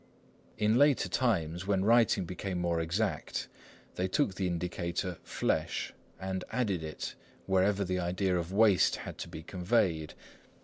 In later times, when writing became more exact, they took the indicator 月 "flesh," and added it wherever the idea of waist had to be conveyed.